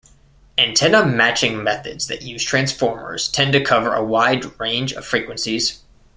Antenna matching methods that use transformers tend to cover a wide range of frequencies.